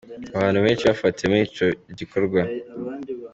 Abantu benshi bafatiwe muri ico gikorwa.